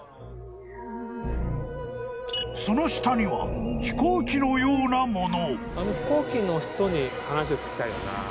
［その下には飛行機のようなもの］